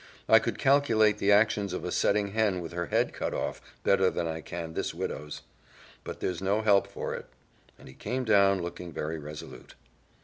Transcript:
"I could calculate the actions of a setting hen with her head cut off better than I can this widow's. But there's no help for it," and he came down looking very resolute.